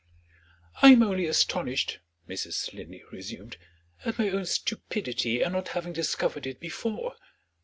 "I am only astonished," Mrs. Linley resumed, "at my own stupidity in not having discovered it before.